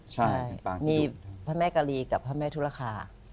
ใช่มีพระแม่กะลีกับพระแม่ธุรคา